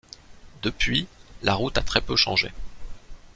Depuis, la route a très peu changé.